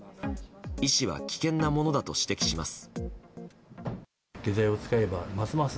医師は危険なものだと指摘します。